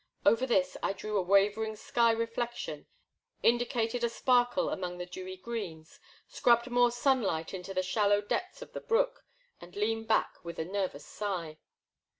Over this I drew a wavering sky reflection, indicated a sparkle among the dewy greens, scrubbed more sunlight into the shallow depths of the brook, and leaned back with a nervous sigh.